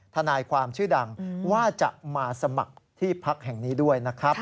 ทนายความชื่อดังว่าจะมาสมัครที่พักแห่งนี้ด้วยนะครับ